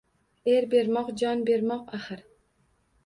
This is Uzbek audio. Er bermoq jon bermoq, axir